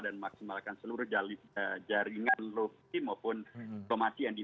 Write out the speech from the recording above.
dan maksimalkan seluruh jaringan